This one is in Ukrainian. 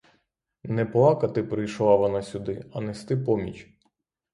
Не плакати прийшла вона сюди, а нести поміч!